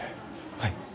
はい。